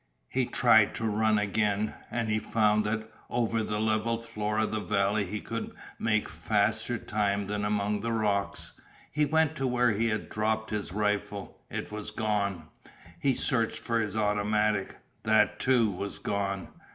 He tried to run again, and he found that over the level floor of the valley he could make faster time than among the rocks. He went to where he had dropped his rifle. It was gone. He searched for his automatic. That, too, was gone.